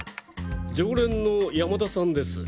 常連の山田さんです。